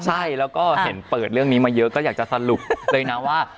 ใช่แล้วก็เห็นเปิดเรื่องนี้มาเยอะก็อยากจะสรุปเลยนะว่า